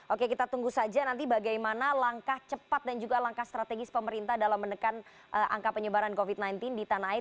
oke kita tunggu saja nanti bagaimana langkah cepat dan juga langkah strategis pemerintah dalam menekan angka penyebaran covid sembilan belas di tanah air